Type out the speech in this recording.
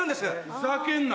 ふざけんな！